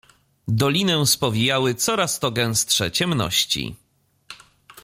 "Dolinę spowijały coraz to gęstsze ciemności."